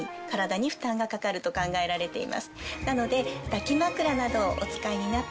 なので。